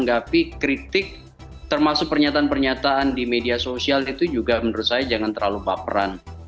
jadi itu yang saya kritik termasuk pernyataan pernyataan di media sosial itu juga menurut saya jangan terlalu baperan